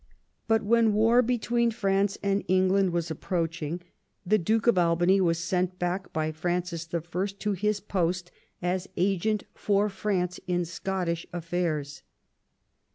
But when war between France and England was approaching, the Duke of Albany was sent back by Francis L to his post as agent for France in Scottish affairs.